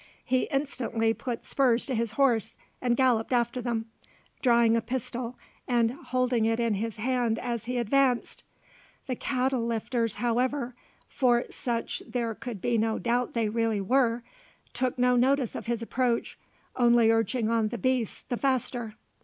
He instantly put spurs to his horse and galloped after them, drawing a pistol, and holding it in his hand as he advanced. The cattle lifters, however, for such there could be no doubt they really were, took no notice of his approach, only urging on the beasts the faster.